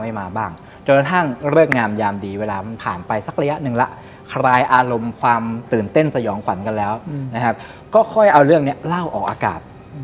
พี่ยังมาอยู่ผมไม่เข้า